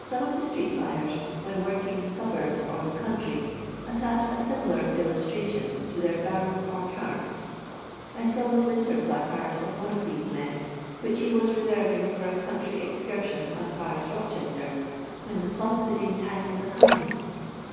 Some of the street buyers, when working the ! rabnrbs or the country, attach a similar illus i tration" to their barrows or carts. I saw tho I Winter placard of one of these men, which he ' was reserving for a country excursion as far as Eochester, "when the plum pudding time was aeoming."